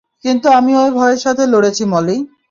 কিন্তু আমি ঐ ভয়ের সাথে লড়েছি, মলি।